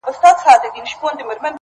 څلوېښتم کال دی؛